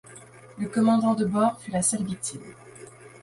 Le commandant de bord fut la seule victime.